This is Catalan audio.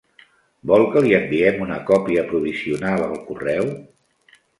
Vol que li enviem una còpia provisional al correu?